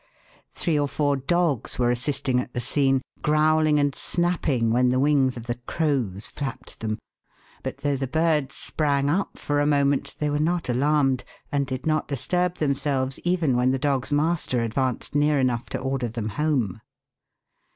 Three or four dogs were assisting at the scene, growling and snapping when the wings of the 240 THE WORLD'S LUMBER ROOM. 11 crows " flapped them ; but though the birds sprang up for a moment they were not alarmed, and did not disturb themselves even when the dogs' master advanced near enough to order them home.